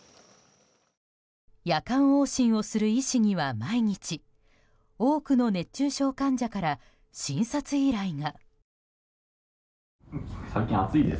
夜間往診をする医師には毎日多くの熱中症患者から診察依頼が。